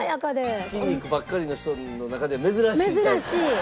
筋肉ばっかりの人の中では珍しいタイプ。